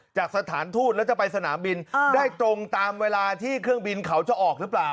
จากสถานทูตแล้วจะไปสนามบินได้ตรงตามเวลาที่เครื่องบินเขาจะออกหรือเปล่า